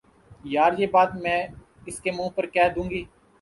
یار، یہ بات میں اس کے منہ پر کہ دوں گی